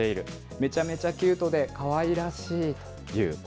めちゃめちゃキュートで、かわいらしいという声。